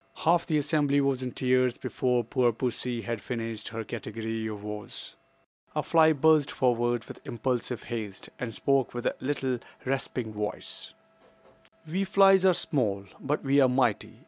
Half the assembly was in tears before poor pussy had finished her category of woes. A fly buzzed forward with impulsive haste, and spoke with a little rasping voice: "We flies are small; but we are mighty.